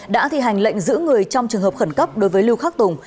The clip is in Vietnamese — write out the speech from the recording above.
đã thi hành lệnh giữ người trong trường hợp khẩn cấp đối với lưu khắc tùng